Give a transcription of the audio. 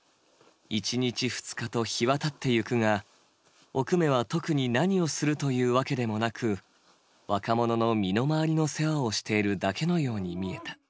１日２日と日はたっていくがおくめは特に何をするというわけでもなく若者の身の回りの世話をしているだけのように見えた。